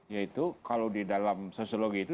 yaitu kalau di dalam sosiologi itu